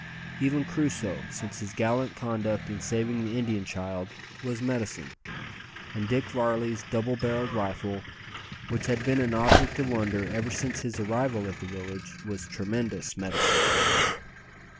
Even Crusoe, since his gallant conduct in saving the Indian child, was "medicine;" and Dick Varley's double barrelled rifle, which had been an object of wonder ever since his arrival at the village, was tremendous "medicine!"